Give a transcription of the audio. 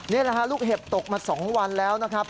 นี่แหละฮะลูกเห็บตกมา๒วันแล้วนะครับ